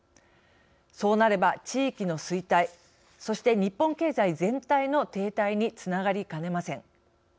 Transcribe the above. そうなれば地域の衰退そして日本経済全体の停滞につながりかねません。